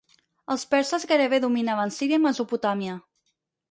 Els perses gairebé dominaven Síria i Mesopotàmia.